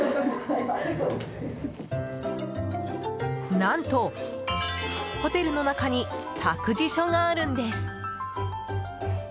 何と、ホテルの中に託児所があるんです。